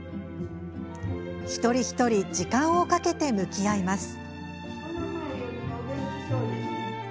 一人一人、時間をかけて向き合います。